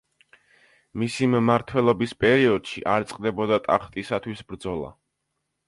მისი მმართველობის პერიოდში არ წყდებოდა ტახტისათვის ბრძოლა.